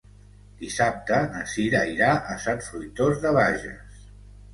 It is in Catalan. Dissabte na Cira irà a Sant Fruitós de Bages.